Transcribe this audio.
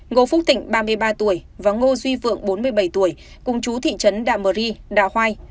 ngô phúc thịnh ba mươi ba tuổi và ngô duy phượng bốn mươi bảy tuổi cùng chú thị trấn đạ mơ ri đạ hoai